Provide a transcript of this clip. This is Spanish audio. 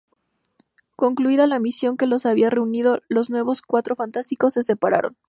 Concluida la misión que los había reunido, los Nuevos Cuatro Fantásticos se separaron.